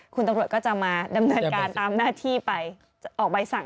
คุณตำรวจก็จะมาดำเนินการตามหน้าที่ไปออกใบสั่ง